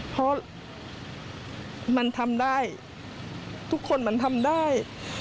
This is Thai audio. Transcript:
เพราะมันทำได้ทุกคนมันทำได้